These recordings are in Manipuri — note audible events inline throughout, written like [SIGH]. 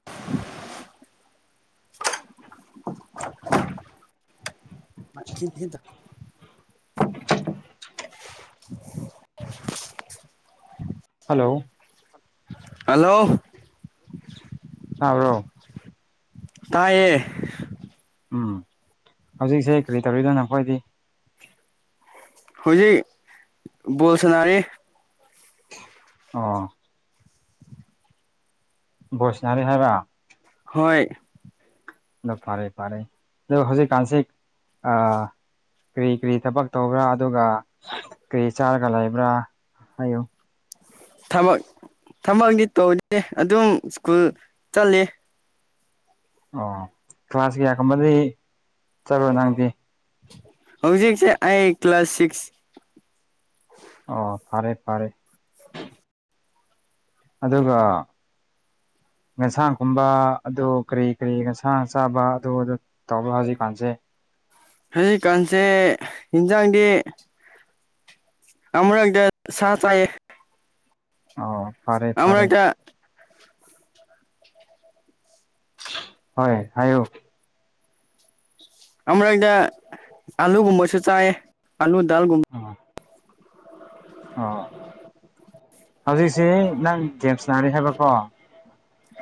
[UNINTELLIGIBLE] ꯀꯊꯦ ꯇ ꯍꯜꯂꯣ ꯍꯂꯣ ꯇꯕ꯭ꯔꯣ ꯇꯥꯏꯌꯦ ꯎꯝ ꯍꯧꯖꯤꯛꯁꯦ ꯀꯔꯤ ꯇꯧꯔꯤꯅꯣ ꯅꯈꯣꯏꯗꯤ ꯍꯧꯖꯤꯛ ꯣꯜ ꯁꯅꯔꯦ ꯑꯥ ꯕꯁꯅꯔꯤ ꯍꯥꯏꯕꯥ ꯍꯣꯏ ꯑꯗꯣ ꯐꯔꯦ ꯐꯔꯦ ꯑꯗꯣ ꯍꯧꯖꯤꯛꯀꯥꯟꯁꯤ ꯀꯔꯤ ꯀꯔꯤ ꯊꯕꯛ ꯇꯧꯕ꯭ꯔꯥ ꯑꯗꯨꯒ ꯀꯔꯤ ꯆꯥꯔꯒ ꯂꯩꯕ꯭ꯔꯥ ꯍꯥꯏꯌꯨ ꯊꯕꯛ ꯊꯕꯛꯗꯤ ꯇꯧꯗꯦ ꯑꯗꯨꯝ ꯁ꯭ꯀꯨꯜ ꯆꯠꯂꯤ ꯑꯣ ꯀ꯭ꯂꯥꯁ ꯀꯌꯥꯒꯨꯝꯕꯗꯤ ꯆꯠꯂꯣ ꯅꯪꯗꯤ ꯍꯧꯖꯤꯛꯁꯦ ꯑꯩ ꯀ꯭ꯂꯥꯁ ꯁꯤꯛꯁ ꯑꯣ ꯐꯔꯦ ꯐꯔꯦ ꯑꯗꯨꯒ ꯌꯦꯟꯁꯥꯡꯒꯨꯝꯕ ꯑꯗꯨ ꯀꯔꯤ ꯀꯔꯤ ꯉꯟꯁꯥꯡ ꯆꯥꯕ ꯑꯗꯨ ꯇꯕꯨ ꯍꯧꯖꯤꯛ ꯀꯥꯟꯁꯦ ꯍꯧꯖꯤꯛꯀꯥꯟꯁꯦ ꯌꯦꯟꯖꯥꯡꯗꯤ ꯑꯃꯔꯪꯗ ꯁꯥ ꯆꯥꯏ ꯑꯣ ꯐꯔꯦ ꯐꯔꯦ ꯑꯃꯨꯔꯛꯇ ꯍꯣꯏ ꯍꯥꯏꯌ ꯑꯃꯔꯗ ꯉꯥꯅꯨ ꯒꯨꯝꯕꯁꯨ ꯆꯥꯏꯌꯦ ꯑꯥꯂꯨ ꯗꯥꯜꯒꯨꯝꯕ ꯑ ꯑ ꯍꯧꯖꯤꯛꯁꯤ ꯅꯪ ꯒꯦꯝꯁ ꯅꯥꯔꯤ ꯍꯥꯏꯕꯀꯣ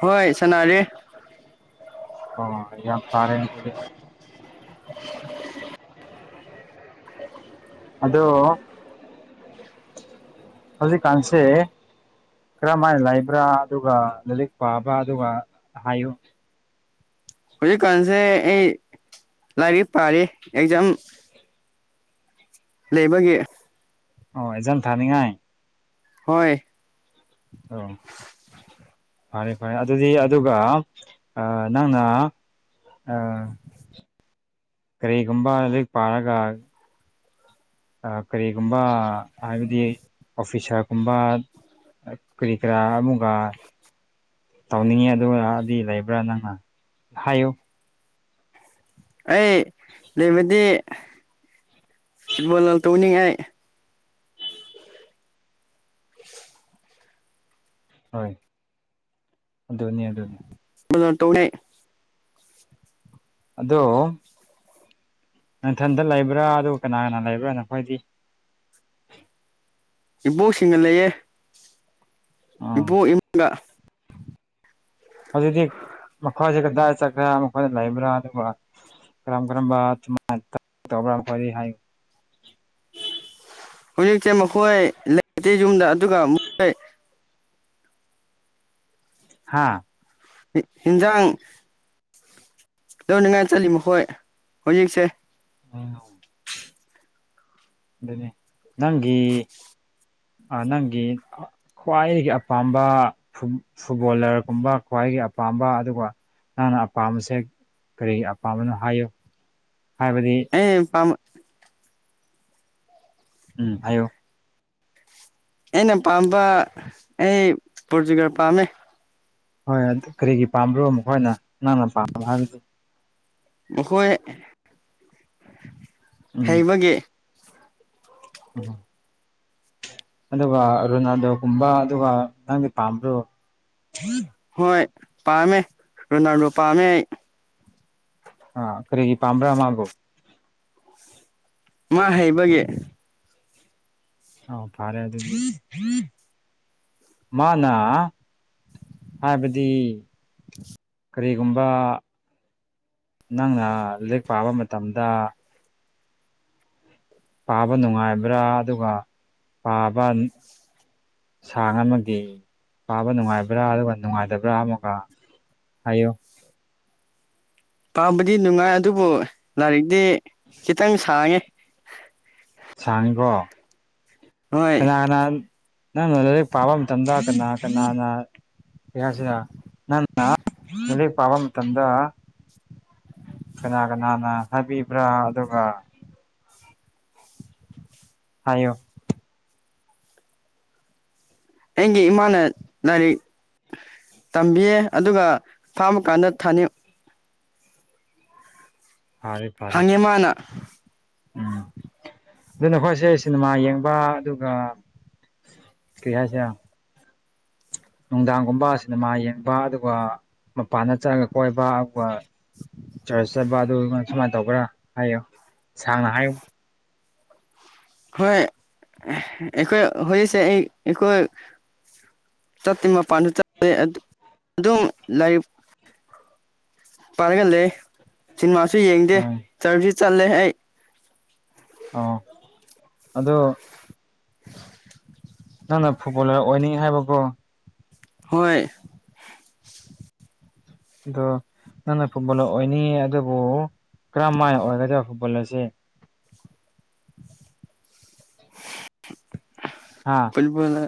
ꯍꯣꯏ ꯁꯅꯥꯔꯦ ꯑꯣ ꯌꯥꯝ ꯐꯔꯦ ꯗꯨꯗꯤ [UNINTELLIGIBLE] ꯑꯗꯣ ꯍꯧꯖꯤꯛ ꯀꯥꯟꯁꯦ ꯀꯔꯝꯍꯥꯏꯅ ꯂꯩꯕ꯭ꯔꯥ ꯑꯗꯨꯒ ꯂꯥꯏꯔꯤꯛ ꯄꯥꯕ ꯑꯗꯨꯒ ꯍꯥꯏꯌꯨ ꯍꯧꯖꯤꯛꯀꯥꯟꯁꯦ ꯑꯩ ꯂꯥꯏꯔꯤꯛ ꯄꯥꯔ ꯑꯦꯛꯖꯥꯝ ꯂꯩꯕꯒꯤ ꯑꯣ ꯑꯦꯖꯝ ꯊꯥꯅꯤꯡꯉꯥꯏ ꯍꯣꯏ ꯑꯣ ꯐꯔꯦ ꯐꯔꯦ ꯑꯗꯨꯗꯤ ꯑꯗꯨꯒ ꯅꯪꯅ ꯀꯔꯤꯒꯨꯝꯕ ꯑꯗꯨꯗꯒꯤ ꯄꯥꯔꯒ ꯀꯔꯤꯒꯨꯝꯕ ꯍꯥꯏꯕꯗꯤ ꯑꯣꯐꯤꯁꯥꯔꯒꯨꯝꯕ ꯀꯔꯤ ꯀꯔꯥ ꯑꯃꯨꯒꯥ ꯇꯧꯅꯤꯡꯉꯤ ꯑꯗꯨꯒꯗꯤ ꯂꯩꯕ꯭ꯔꯥ ꯅꯪꯅ ꯍꯥꯏꯌꯨ ꯑꯩ ꯂꯩꯕꯗꯤ ꯐꯨꯠꯕꯣꯜ ꯇꯧꯅꯤꯡꯉꯥꯏ ꯍꯣꯏ ꯗꯣꯅꯤ ꯗꯣꯅꯤ [UNINTELLIGIBLE] ꯑꯗꯣ ꯅꯊꯟꯇ ꯂꯩꯕ꯭ꯔꯥ ꯑꯗꯨꯒ ꯀꯅꯥ ꯀꯅꯥ ꯂꯩꯕ꯭ꯔꯥ ꯅꯈꯣꯏꯗꯤ ꯏꯕꯣꯛꯁꯤꯡꯒ ꯂꯩꯌꯦ ꯑꯥ ꯏꯕꫭꯛ ꯏꯃꯨꯡꯗ ꯍꯧꯖꯤꯛꯇꯤ ꯃꯈꯣꯏꯗꯤ ꯀꯗꯥꯏ ꯆꯠꯈ꯭ꯔꯦ ꯃꫭꯏ ꯂꯩꯕ꯭ꯔꯥ ꯑꯗꯨꯒ ꯀꯔꯝ ꯀꯔꯝꯕꯃꯥꯏꯅ ꯇꯧꯕ꯭ꯔꯥ ꯋꯥꯔꯤ ꯍꯥꯏꯌꯨ ꯍꯧꯖꯤꯛꯁꯦ ꯃꯈꯣꯏ ꯂꯩꯇꯦ ꯌꯨꯝꯗ ꯑꯗꯨꯒ ꯃꫭꯏ ꯍꯥꯥ ꯏꯟꯖꯥꯡ ꯂꯧꯅꯤꯡꯉꯥꯏ ꯆꯠꯂꯤ ꯃꯈꯣꯏ ꯍꯧꯖꯤꯛꯁꯦ [UNINTELLIGIBLE] ꯑꯗꯨꯅꯦ ꯅꯪꯒꯤ ꯑ ꯅꯪꯒꯤ ꯈ꯭ꯋꯥꯏꯗꯒꯤ ꯑꯄꯥꯝꯕ ꯐꯨꯠꯕꯣꯂꯔꯒꯨꯝꯕ ꯈ꯭ꯋꯥꯏꯒꯤ ꯑꯄꯥꯝꯕ ꯑꯗꯨꯒ ꯅꯪꯅ ꯑꯄꯥꯝꯕꯁꯦ ꯀꯔꯤ ꯑꯄꯥꯝꯕꯅꯣ ꯍꯥꯏꯌꯨ ꯍꯥꯏꯕꯗꯤ ꯑꯩ ꯑꯄꯥꯝꯕ ꯎꯝ ꯍꯥꯏꯌꯣ ꯑꯩꯅ ꯄꯥꯝꯕ ꯑꯩ ꯄꯣꯇꯨꯒꯜ ꯄꯥꯝꯃꯦ ꯍꯣꯏ ꯑꯗꯨ ꯀꯔꯤꯒꯤ ꯄꯥꯝꯕ꯭ꯔꯣ ꯃꯈꯣꯏꯅ ꯅꯪꯅ ꯄꯥꯝꯕ ꯍꯥꯏꯕꯗꯤ ꯃꯈꯣꯏ ꯎꯝ ꯍꯩꯕꯒꯤ ꯎꯝ ꯑꯗꯨꯒ ꯔꯣꯅꯥꯜꯗꯣꯒꯨꯝꯕ ꯑꯗꯨꯒ ꯅꯪꯗꯤ ꯄꯥꯝꯕꯔꫭ ꯍꯣꯏ ꯄꯥꯝꯃꯦ ꯔꯣꯅꯥꯜꯗꯣ ꯄꯥꯝꯃꯦ ꯑꯩ ꯑ ꯀꯔꯤꯒꯤ ꯄꯥꯝꯕ꯭ꯔꯥ ꯃꯥꯕꯨ ꯃꯥ ꯍꯩꯕꯒꯤ ꯑꯧ ꯐꯔꯦ ꯑꯗꯨꯗꯤ ꯃꯥꯅ ꯍꯥꯏꯕꯗꯤ ꯀꯔꯤꯒꯨꯝꯕ ꯅꯪꯅ ꯂꯥꯏꯔꯤꯛ ꯄꯥꯕ ꯃꯇꯝꯗ ꯄꯥꯕ ꯅꯨꯡꯉꯥꯏꯕ꯭ꯔꯥ ꯑꯗꯨꯒ ꯄꯥꯕ ꯁꯥ ꯑꯃꯒꯤ ꯄꯥꯕ ꯅꯨꯡꯉꯥꯏꯕ꯭ꯔꯥ ꯑꯗꯨꯒ ꯅꯨꯡꯉꯥꯏꯇꯕ꯭ꯔꯥ ꯑꯃꯒ ꯍꯥꯏꯌꯨ ꯄꯥꯝꯕꯗꯤ ꯅꯨꯡꯉꯥꯏ ꯑꯗꯨꯕꯨ ꯂꯥꯏꯔꯤꯛꯇꯤ ꯈꯤꯇꯪ ꯁꯥꯡꯉꯦ ꯁꯥꯡꯉꯤꯀꯣ ꯍꯣꯏ ꯀꯅꯥ ꯀꯅꯥ ꯅꯪꯅ ꯂꯥꯏꯔꯤꯛ ꯄꯥꯕ ꯃꯇꯝꯗ ꯀꯅꯥ ꯀꯅꯥꯅ ꯀꯩ ꯍꯥꯏꯁꯤꯔꯥ ꯅꯪꯅ ꯂꯥꯏꯔꯤꯛ ꯄꯥꯕ ꯃꯇꯝꯗ ꯀꯅꯥ ꯀꯅꯥꯅ ꯍꯥꯏꯕꯤꯕ꯭ꯔꯥ ꯑꯗꯨꯒ ꯍꯥꯏꯌꯨ ꯑꯩꯒꯤ ꯏꯃꯥꯅ ꯂꯥꯏꯔꯤꯛ ꯇꯝꯕꯤꯌꯦ ꯑꯗꯨꯒ ꯐꯥꯝꯃ ꯀꯥꯟꯗ ꯊꯥꯅꯤ ꯐꯔꯦ ꯐꯔꯦ ꯍꯪꯉꯦ ꯃꯥꯅ ꯎꯝ ꯑꯗꯨ ꯅꯈꯣꯏꯁꯦ ꯁꯤꯅꯤꯃꯥ ꯌꯦꯡꯕ ꯑꯗꯨꯒ ꯀꯩ ꯍꯥꯏꯁꯤꯔꯥ ꯅꯨꯡꯗꯥꯡꯒꯨꯝꯕ ꯁꯤꯅꯤꯃꯥ ꯌꯦꯡꯕ ꯑꯗꯨꯒ ꯃꯄꯥꯟꯗ ꯆꯠꯂꯒ ꯀꯣꯏꯕ ꯑꯗꯨꯒ ꯆꯔꯁ ꯆꯠꯄ ꯑꯗꯨꯒ ꯁꯨꯃꯥꯏ ꯇꯧꯕ꯭ꯔꯥ ꯍꯥꯏꯌꯨ ꯁꯥꯡꯅ ꯍꯥꯏꯌꯨ ꯍꯣꯏ ꯑꯩꯈꯣꯏ ꯍꯧꯖꯤꯛꯁꯦ ꯑꯩ ꯑꯩꯈꫭꯏ ꯆꯠꯇꯦ ꯃꯄꯥꯟꯗ ꯆꯠꯇꯦ ꯑꯗꯨꯝ ꯂꯥꯏꯔꯤꯛ ꯄꯥꯏꯔꯒ ꯂꯩꯌꯦ ꯁꯤꯅꯤꯃꯥꯁꯨ ꯌꯦꯡꯗꯦ ꯑꯪ ꯆꯔꯁꯨ ꯆꯠꯂꯦ ꯑꯩ ꯑꯧ ꯑꯗꯣ ꯅꯪꯅ ꯐꯨꯠꯕꯣꯂꯔ ꯑꯣꯏꯅꯤꯡꯉꯦ ꯍꯥꯏꯕꯀꫭ ꯍꯣꯏ ꯑꯗꯣ ꯅꯪꯅ ꯐꯨꯠꯕꯣꯜ ꯂꯔ ꯑꯣꯏꯅꯤ ꯑꯗꯨꯕꯨ ꯀꯔꯝ ꯃꯥꯏ ꯑꯣꯏꯒꯗꯧ ꯐꯨꯠꯕꯣꯜ ꯂꯔꯁꯦ [UNINTELLIGIBLE] ꯍꯥꯥ ꯑꯣꯏ ꯐꯣꯂ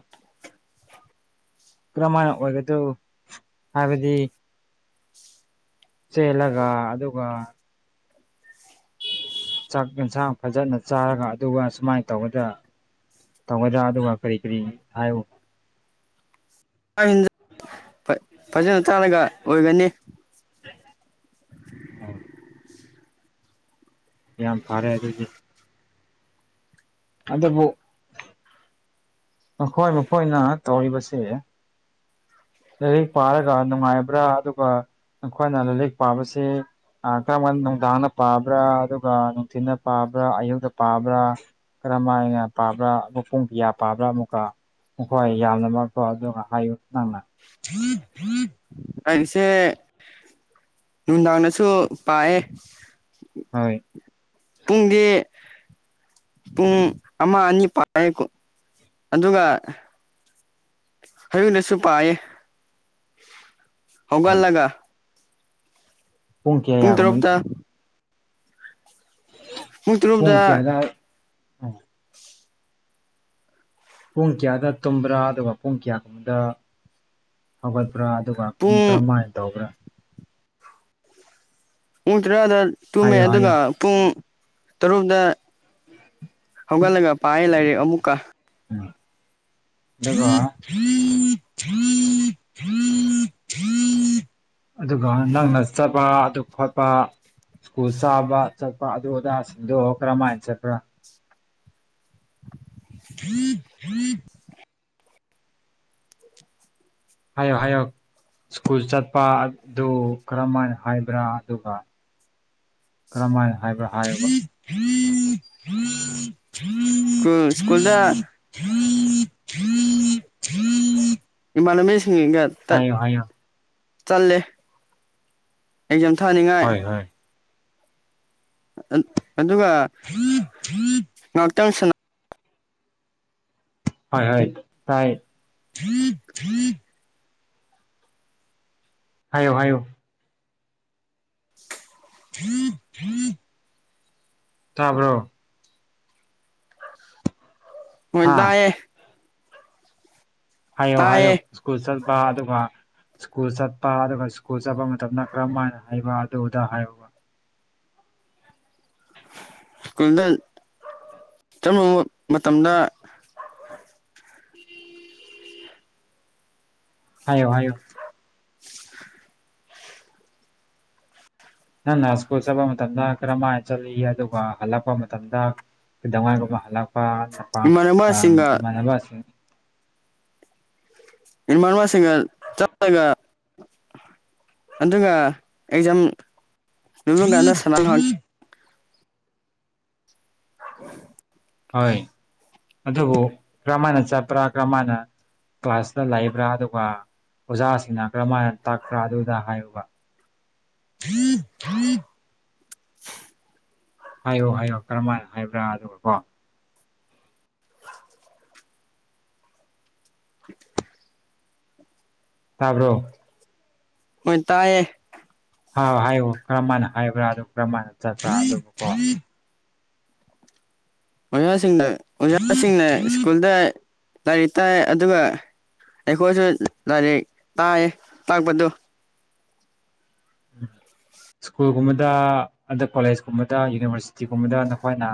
ꯀꯔꯝ ꯍꯥꯏꯥꯏꯅ ꯑꯣꯏꯒꯗꯧ ꯍꯥꯏꯕꯗꯤ ꯆꯦꯜꯂꯒ ꯑꯗꯨꯒ ꯆꯥꯛ ꯌꯦꯟꯁꯥꯡ ꯐꯖꯅ ꯆꯥꯔꯒ ꯑꯗꯨꯒ ꯁꯨꯃꯥꯏꯅ ꯇꯧꯕꯗ ꯇꯧꯒꯖꯥ ꯑꯗꯨꯒ ꯀꯔꯤ ꯀꯔꯤ ꯍꯥꯏꯌ ꯐꯖꯅ ꯇꯥꯔꯒ ꯑꯣꯏꯒꯅꯤ ꯎꯝ ꯌꯥꯝ ꯐꯥꯔꯦ ꯑꯗꯨꯗꯤ ꯑꯗꯕꯨ ꯃꯈꯣꯏ ꯃꯈꯣꯏꯅ ꯇꯧꯔꯤꯕꯁꯦ ꯂꯥꯏꯔꯤꯛ ꯄꯥꯔꯒ ꯅꯨꯡꯉꯥꯏꯕ꯭ꯔꯥ ꯑꯗꯨꯒ ꯅꯈꯣꯏꯅ ꯂꯥꯏꯔꯤꯛ ꯄꯥꯕꯁꯤ ꯀꯔꯝꯝꯕꯗ ꯅꯨꯡꯗꯥꯡꯅ ꯄꯥꯕ꯭ꯔꯥ ꯑꯗꯨꯒ ꯅꯨꯡꯊꯤꯅ ꯄꯥꯕ꯭ꯔꯥ ꯑꯌꯨꯛꯇ ꯄꯥꯕ꯭ꯔꯥ ꯀꯔꯝ ꯍꯥꯏꯅ ꯄꯥꯕ꯭ꯔꯥ ꯃꯈ ꯄꯨꯡ ꯀꯤꯌꯥ ꯄꯥꯕ꯭ꯔꯥ ꯑꯃꯨꯛꯀ ꯍꯣꯏ ꯌꯥꯝꯅ ꯃꯔꯛꯇꯣ ꯑꯗꯨꯒ ꯍꯥꯏꯌꯨ ꯅꯪꯅ ꯑꯩꯁꯦ ꯅꯨꯡꯗꯥꯡꯗꯁꯨ ꯄꯥꯏꯑꯦ ꯍꯣꯏ ꯄꯨꯡꯗꯤ ꯄꯨꯡ ꯑꯃ ꯑꯅꯤ ꯄꯥꯏꯀꯣ ꯑꯗꯨꯒ ꯑꯌꯨꯅꯁꯨ ꯄꯥꯏꯌꯦ ꯍꯣꯏ ꯍꯧꯒꯜꯂꯒ ꯄꯨꯡ ꯀꯌꯥ ꯌꯥꯒꯃꯅꯤ ꯄꯨꯡ ꯄꯣꯡ ꯇꯔꯨꯛꯇ ꯀꯗ ꯑ ꯄꯨꯡ ꯀꯌꯥꯗ ꯇꯨꯝꯕ꯭ꯔꯥ ꯑꯗꯨꯒ ꯄꯨꯡ ꯀꯌꯥꯒꯨꯝꯕꯗ ꯍꯧꯒꯠꯄ꯭ꯔꯥ ꯑꯗꯨꯒ ꯑꯗꯨ ꯄꯨꯡ ꯀꯔ ꯃꯥꯏꯅ ꯇꯧꯕ꯭ꯔꯥ ꯄꯨꯡ ꯇꯔꯥꯗ ꯇꯨꯝꯃꯦ ꯍꯥꯏꯌꯣ ꯍꯥꯏꯌꯣ ꯑꯗꯨꯒ ꯄꯨꯡ ꯇꯔꯨꯛꯇ ꯍꯧꯒꯜꯂꯒ ꯄꯌꯦ ꯂꯩꯔꯤꯦ ꯑꯃꯃꯨꯛꯀ ꯊ ꯊ ꯊ ꯊ ꯑꯗꯨꯒ ꯅꯪꯅ ꯆꯠꯄ ꯑꯗꯨ ꯈꯣꯠꯄ ꯁ꯭ꯀꯨꯜ ꯆꯥꯕ ꯆꯠꯄ ꯑꯗꯨ ꯑꯗꯥꯁꯤꯡꯗꯣ ꯀꯔꯝꯍꯥꯏꯅ ꯆꯠꯄ꯭ꯔꯥ ꯍ ꯍ ꯍꯥꯏꯌ ꯍꯥꯏꯌꯣ ꯁ꯭ꯀꯨꯜ ꯆꯠꯄ ꯑꯗꯨ ꯀꯔꯝꯍꯥꯏꯅ ꯍꯥꯏꯕ꯭ꯔꯥ ꯑꯗꯨꯒ ꯀꯔꯝꯍꯥꯏꯅ ꯍꯥꯏꯕ꯭ꯔꯥ ꯍꯥꯏ ꯁꯨ ꯁ꯭ꯀꯨꯜꯗ [INAUDIBLE] ꯏꯃꯜꯂꯝ ꯃ ꯁꯁꯤꯡ ꯏꯡꯒꯠ ꯍꯥꯏꯌ ꯍꯥꯏꯌ ꯆꯜꯂꯦ ꯑꯦꯛꯖꯥꯝ ꯊꯥꯅꯤꯡꯉꯥꯏ ꯍꯣꯏ ꯍꯣꯏ ꯏꯗꯨꯒ [INAUDIBLE] ꯉꯥꯛꯇꯪ ꯁꯅ ꯍꯣꯏ ꯍꯣꯏ ꯇꯥꯏ ꯍꯥꯏꯌꯣ ꯍꯥꯏꯌꯨ ꯇꯥꯕ꯭ꯔꯣ ꯍꯣꯏ ꯍꯥ ꯇꯑꯌꯦ ꯍꯥꯏꯌꯣ ꯍꯥꯏꯌꯣ ꯇꯥꯏꯌꯦ ꯁ꯭ꯀꯨꯜ ꯆꯠꯄ ꯑꯗꯨꯒ ꯁ꯭ꯀꯨꯜ ꯆꯠꯄ ꯑꯗꯨꯒ ꯁ꯭ꯀꯨꯜ ꯆꯠꯄ ꯃꯇꯝꯗ ꯀꯔꯝ ꯍꯥꯏꯅ ꯍꯥꯏꯕ ꯑꯗꯨꯗ ꯍꯥꯏꯌ ꯁ꯭ꯀꯨꯜꯗ ꯆꯠꯂꯨꯕ ꯃꯇꯝꯗ ꯍꯥꯏꯌꯣ ꯍꯥꯏꯌꯣ ꯅꯪꯅ ꯁ꯭ꯀꯨꯜ ꯆꯠꯄ ꯃꯇꯝꯗ ꯀꯔꯝꯍꯥꯏꯅ ꯆꯠꯂꯤ ꯑꯗꯨꯒ ꯍꯜꯂꯛꯄ ꯃꯇꯝꯗ ꯗꯋꯥꯏꯒꯨꯝꯕ ꯍꯜꯂꯛꯄ ꯏꯃꯥꯟꯅꯕꯁꯤꯡꯒ ꯏꯃꯥꯟꯅꯕꯁꯤꯡ ꯏ ꯃꯟꯋꯥꯁꯤꯒ ꯆꯠꯂꯒ ꯑꯗꯨꯇ ꯑꯦꯛꯖꯥꯝ ꯅꯃꯨꯡꯒꯅ ꯁꯥꯟꯅ ꯎ ꯍꯣꯏ ꯑꯗꯨꯕꯨ ꯀꯔꯝ ꯍꯥꯏꯅ ꯆꯠꯄ꯭ꯔꯥ ꯀꯔꯝ ꯍꯥꯏꯅ ꯀ꯭ꯂꯥꯁꯇ ꯂꯥꯛꯏꯕ꯭ꯔꯥ ꯑꯗꯨꯒ ꯑꯣꯖꯥꯁꯤꯡꯅ ꯀꯔꯝꯥꯏꯅ ꯇꯥꯛꯄ꯭ꯔꯥ ꯑꯗꯨꯗ ꯍꯥꯏꯌꯨꯕ ꯍꯥꯏꯌꯣ ꯍꯥꯏꯌꯣ ꯀꯔꯝꯥꯏꯅ ꯍꯥꯏꯕ꯭ꯔꯥ ꯑꯗꯨꯒ ꯀꯣ [INAUDIBLE] ꯇꯥꯕ꯭ꯔꯣ ꯍꯣꯏ ꯇꯥꯏꯌꯦ ꯍꯥꯏꯥꯎ ꯍꯥꯏꯌ ꯀꯔꯝ ꯍꯥꯏꯅ ꯍꯥꯏꯕ꯭ꯔꯥ ꯑꯗꯨ ꯀꯔ ꯍꯥꯏꯅ ꯆꯠꯄ꯭ꯔꯥ ꯑꯗꯨꯣ ꯑꯣꯖꯥꯁꯤꯡꯅ ꯑꯣꯖꯥꯁꯤꯡꯅꯦ ꯁ꯭ꯀꯨꯜꯗ ꯂꯥꯏꯔꯤꯛ ꯇꯥꯏ ꯑꯗꯨꯒ ꯑꯩꯈꯣꯏꯁꯨ ꯂꯥꯏꯔꯤꯛ ꯇꯥꯏꯌꯦ ꯇꯥꯛꯄꯗꯨ ꯎ ꯁ꯭ꯀꯨꯜꯒꯨꯝꯕꯗ ꯑꯗ ꯀꯣꯂꯦꯖꯀꯨꯝꯕꯗ ꯌꯨꯅꯤꯚꯔꯁꯤ ꯒꯨꯝꯕꯗ ꯅꯈꯣꯏꯅ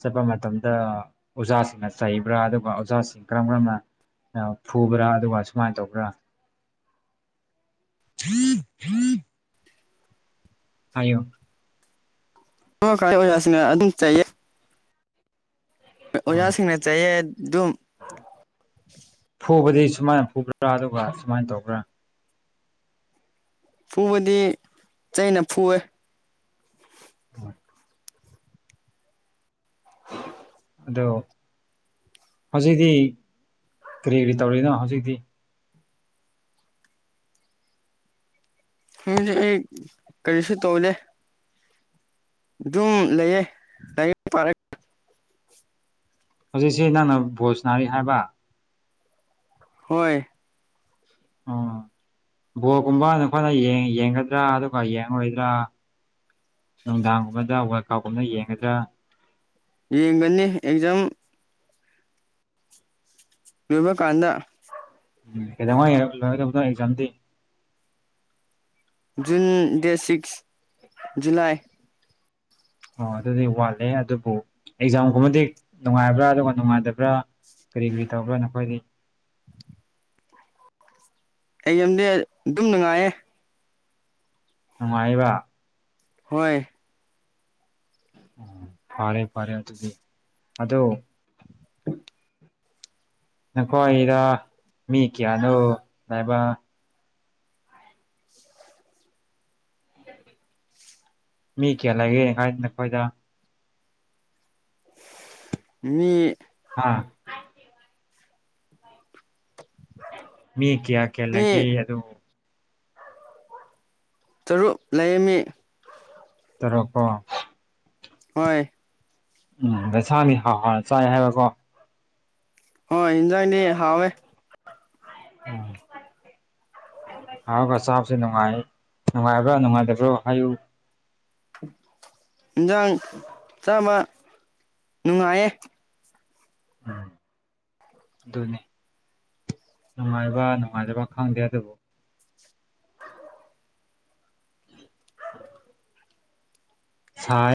ꯆꯠꯄ ꯃꯇꯝꯗ ꯑꯣꯖꯥꯁꯤꯡꯅ ꯆꯩꯕ꯭ꯔꯥ ꯑꯗꯨꯒ ꯑꯣꯖꯥꯁꯤꯡ ꯀꯔꯝ ꯀꯔꯝꯅ ꯐꯨꯕ꯭ꯔꯥ ꯑꯗꯨꯒ ꯁꯨꯃꯥꯏꯅ ꯇꯧꯕ꯭ꯔꯥ [UNINTELLIGIBLE] ꯍꯥꯏꯌꯣ ꯑꯣ ꯈ ꯑꯣꯖꯁꯤꯅ ꯑꯗꯨꯝ ꯆꯌꯦ ꯑꯣꯖꯥꯁꯤꯡꯅ ꯆꯥꯏꯑ ꯑꯗꯨꯝ ꯐꯨꯕꯗꯤ ꯁꯨꯃꯥꯏꯅ ꯐꯨꯕ꯭ꯔꯥ ꯑꯗꯨꯒ ꯁꯨꯃꯥꯏꯅ ꯇꯧꯕ꯭ꯔꯥ ꯐꯨꯕꯗꯤ ꯆꯩꯅ ꯐꯨꯑꯦ ꯑꯗꯣ ꯍꯧꯖꯤꯛꯇꯤ ꯀꯔꯤ ꯀꯔꯤ ꯇꯧꯔꯤꯅꯣ ꯍꯧꯖꯤꯛꯇꯤ ꯍꯧꯗꯤ ꯑꯩ ꯀꯔꯤꯁꯨ ꯇꯧꯂꯦ ꯑꯗꯨꯝ ꯂꯩꯌꯦꯌꯦꯔ ꯍꯧꯖꯤꯛꯁꯤ ꯅꯪꯅ ꯚꯣꯖ ꯅꯥꯔꯤ ꯍꯥꯏꯕ ꯍꯣꯏ ꯎꯝ ꯕꯣꯜꯒꯨꯝꯕ ꯅꯈꯣꯏꯅ ꯌꯦꯡꯒꯗ꯭ꯔꯥ ꯑꯗꯨꯒ ꯌꯦꯡꯔꯣꯏꯗ꯭ꯔꯥ ꯅꯨꯡꯗꯥꯡꯒꯨꯝꯕꯗ ꯋꯥꯔ ꯀꯥꯎꯒꯨꯝꯅ ꯌꯦꯡꯒꯗ꯭ꯔꯥ ꯌꯦꯡꯒꯅꯤ ꯑꯦꯛꯖꯥꯝ ꯃꯃ ꯀꯥꯟꯗ ꯎꯝ ꯀꯩꯗꯧꯉ ꯂꯣꯏꯔꯕꯗꯣ ꯑꯦꯛꯖꯥꯝꯗꯤ ꯖꯨꯟ ꯗꯦꯠ ꯁꯤꯛꯁ ꯖꯨꯂꯥꯏ ꯑꯣ ꯑꯗꯨꯗꯤ ꯋꯥꯠꯂꯦ ꯑꯗꯨꯕꯨ ꯑꯦꯛꯖꯥꯝꯒꯨꯝꯕꯗꯤ ꯅꯨꯡꯉꯥꯏꯕ꯭ꯔꯥ ꯑꯗꯨꯒ ꯅꯨꯡꯉꯥꯏꯇꯕ꯭ꯔꯥ ꯀꯔꯤ ꯀꯔꯤ ꯇꯧꯕ꯭ꯔꯥ ꯅꯈꯣꯏꯗꯤ ꯑꯩ ꯌꯥꯝꯗꯤ ꯑꯗꯨꯝ ꯅꯨꯡꯉꯥꯏꯌꯦ ꯅꯨꯡꯉꯥꯏꯕ ꯍꯣꯏ ꯎ ꯐꯥꯔꯦ ꯐꯥꯔꯦ ꯑꯗꯨꯗꯤ ꯑꯣ ꯅꯈꯣꯏꯗ ꯃꯤ ꯀꯌꯥꯅꯣ ꯂꯕ ꯃꯤ ꯀꯌꯥ ꯂꯒꯦ ꯀꯥꯏꯗ ꯅ ꯀꯣꯏꯗ ꯃꯤ ꯍꯥꯥ ꯃꯤ ꯀꯌꯥ ꯃꯤ ꯀꯦꯜꯂꯒꯦ ꯑꯗꯨꯕꯨ ꯇꯔꯨꯛ ꯂꯩꯔꯝꯃꯤ ꯇꯔꯛꯀꯣ ꯍꯣꯏ ꯎꯝ ꯑꯗ ꯁꯥꯅꯤ ꯍꯥꯎ ꯍꯣꯏ ꯆꯥꯏ ꯍꯥꯏꯕꯀꯣ ꯑꯣ ꯍꯟꯖꯥꯡꯅꯤ ꯍꯋꯦ ꯎꯝ [INAUDIBLE] ꯍꯥꯎꯒ ꯆꯥꯕꯁꯦ ꯅꯨꯡꯉꯥꯏ ꯅꯨꯡꯉꯥꯏꯕ꯭ꯔꯥ ꯅꯨꯡꯉꯥꯏꯇꯕ꯭ꯔꯣ ꯍꯥꯏꯌꯨ ꯏꯟꯖꯥꯡ ꯆꯥꯕ ꯅꯨꯡꯉꯥꯏꯌꯦ ꯎꯝ ꯑꯗꯨꯅꯤ ꯅꯨꯡꯉꯥꯏꯕ ꯅꯨꯡꯉꯥꯏꯖꯕ ꯈꯪꯗꯦ ꯑꯗꯨꯕꯨ ꯁꯥꯏ